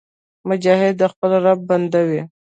مجاهد د خپل رب بنده وي.